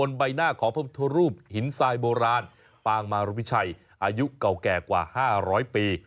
มารุพิชัยอายุเก่าแก่กว่า๕๐๐ปี